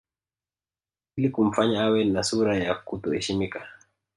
Ili kumfanya awe na sura ya kuto heshimika